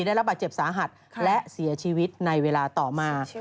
ได้รับบาดเจ็บสาหัสและเสียชีวิตในเวลาต่อมา